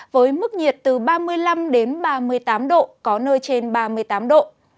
với mức nhiệt từ ba mươi năm ba mươi tám độ có nơi trên ba mươi tám độ